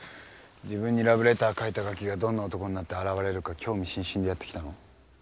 自分にラブレター書いたガキがどんな男になって現れるか興味津々でやって来たの？